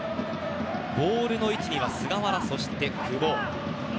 ボールの位置には菅原と久保。